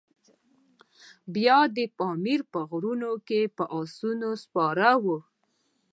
بیا د پامیر په غرونو کې پر آسونو سپاره وو.